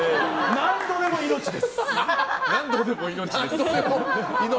何度でも「命！」です。